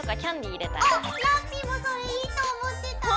おっラッピィもそれいいと思ってた！